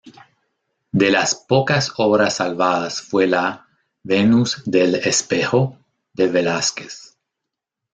De las pocas obras salvadas fue la "Venus del espejo" de Velázquez.